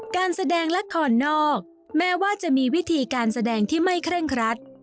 การแสดงละครนอกแม้ว่าจะมีวิธีการแสดงที่ไม่เคร่งครัด